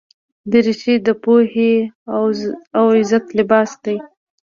دریشي د پوهې او عزت لباس دی.